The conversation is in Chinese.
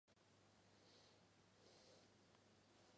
回来带小孩吧